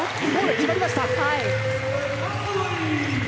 決まりました！